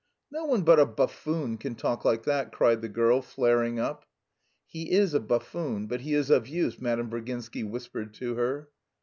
"No one but a buffoon can talk like that!" cried the girl, flaring up. "He is a buffoon, but he is of use," Madame Virginsky whispered to her.